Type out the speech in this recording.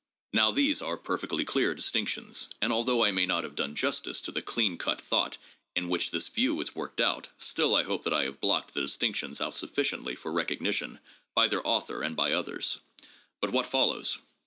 "" Now these are perfectly clear distinctions, and although I may not have done justice to the clean cut thought in which this view is worked out, still I hope that I have blocked the distinctions out sufficiently for recognition by their author and by others. But what follows?